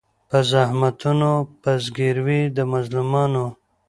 په زخمونو په زګیروي د مظلومانو